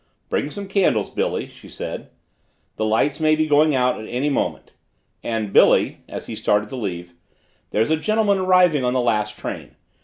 "Bring some candles, Billy," she said. "The lights may be going out any moment and Billy," as he started to leave, "there's a gentleman arriving on the last train.